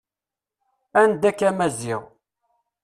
Anda-k a Maziɣ.